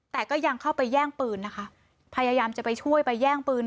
แต่ก็ยังเข้าไปแย่งปืนนะคะพยายามจะไปช่วยไปแย่งปืน